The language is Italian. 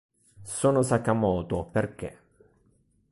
Sono Sakamoto, perché?